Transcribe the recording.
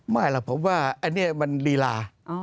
ไม่หรอกผมว่าอันนี้มันลีลา